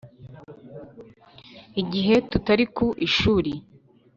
igihe tutari ku ishuri,